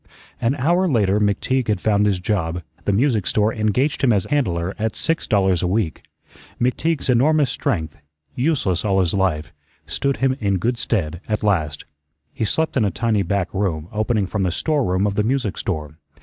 An hour later McTeague had found his job. The music store engaged him as handler at six dollars a week. McTeague's enormous strength, useless all his life, stood him in good stead at last. He slept in a tiny back room opening from the storeroom of the music store.